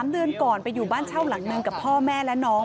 ๓เดือนก่อนไปอยู่บ้านเช่าหลังหนึ่งกับพ่อแม่และน้อง